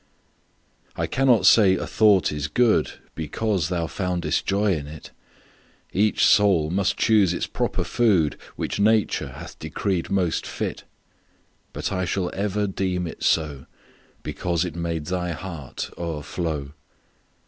I cannot say a thought is good Because thou foundest joy in it; Each soul must choose its proper food Which Nature hath decreed most fit; But I shall ever deem it so Because it made thy heart o'erflow.